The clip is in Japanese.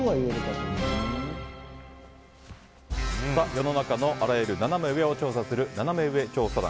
世の中のあらゆるナナメ上を調査するナナメ上調査団。